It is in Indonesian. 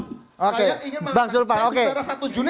saya ingin mengatakan saya bicara satu juni ya